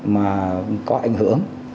mà có ảnh hưởng